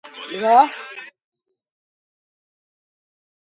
რაიონი მდებარეობს აზერბაიჯანის ჩრდილო-აღმოსავლეთით.